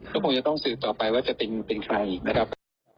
แล้วผมจะต้องสืบต่อไปว่าจะเป็นใครอีกไหมครับ